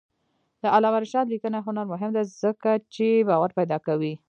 د علامه رشاد لیکنی هنر مهم دی ځکه چې باور پیدا کوي.